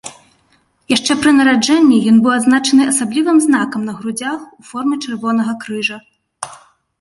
Яшчэ пры нараджэнні ён быў адзначаны асаблівым знакам на грудзях у форме чырвонага крыжа.